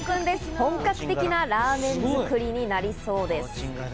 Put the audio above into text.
本格的なラーメン作りになりそうです。